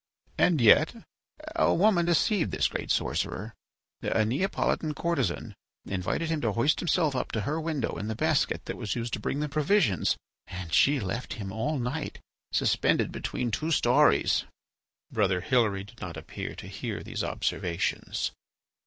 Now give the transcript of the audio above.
And yet a woman deceived this great sorcerer. A Neapolitan courtesan invited him to hoist himself up to her window in the basket that was used to bring the provisions, and she left him all night suspended between two storeys." Brother Hilary did not appear to hear these observations.